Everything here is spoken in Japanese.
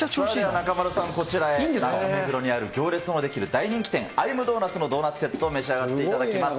中目黒にある行列のできる大人気店、アイムドーナツのドーナッツセットをお召し上がりいただきます。